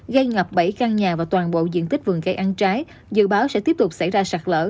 gây ngập bảy căn nhà và toàn bộ diện tích vườn cây ăn trái dự báo sẽ tiếp tục xảy ra sạt lỡ